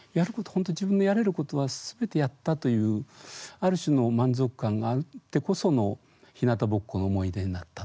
本当に自分のやれることは全てやったというある種の満足感があってこその「ひなたぼっこの思い出」になったという。